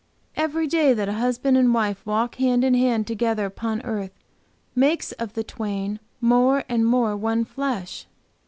Every day that a husband and wife walk hand in hand together upon earth makes of the twain more and more one flesh.